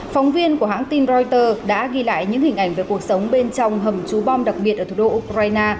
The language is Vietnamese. phóng viên của hãng tin reuters đã ghi lại những hình ảnh về cuộc sống bên trong hầm trú bom đặc biệt ở thủ đô ukraine